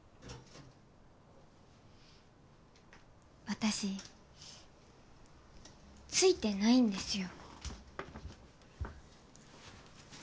私ついてないんですよ。